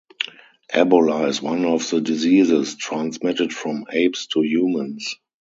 Ebola is one of the diseases transmitted from apes to humans.